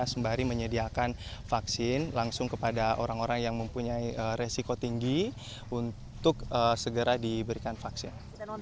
sembari menyediakan vaksin langsung kepada orang orang yang mempunyai resiko tinggi untuk segera diberikan vaksin